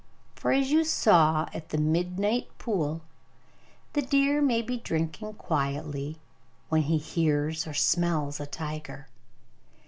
For, as you saw at the midnight pool, the deer may be drinking quietly, when he hears or smells a tiger.